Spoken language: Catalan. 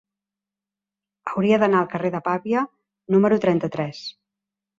Hauria d'anar al carrer de Pavia número trenta-tres.